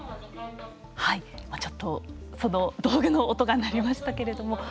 はいちょっとその道具の音が鳴りましたけれども。